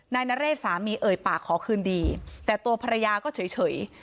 นายนเรศสามีเอ่ยปากขอคืนดีแต่ตัวภรรยาก็เฉย